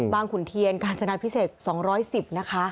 ขุนเทียนกาญจนาพิเศษ๒๑๐นะคะ